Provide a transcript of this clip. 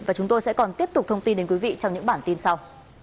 và chúng tôi sẽ còn tiếp tục thông tin đến quý vị trong những bản tin sau